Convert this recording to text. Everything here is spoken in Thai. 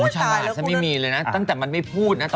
เฉยเอาใช่ล่ะหนะตั้งแต่มันไม่พูดนะ